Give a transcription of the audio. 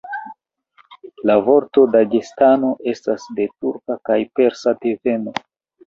La vorto Dagestano estas de turka kaj persa deveno.